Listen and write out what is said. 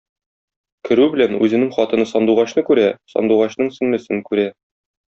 Керү белән, үзенең хатыны Сандугачны күрә, Сандугачның сеңлесен күрә.